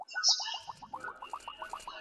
کمپيوټر لاسليک پېژني.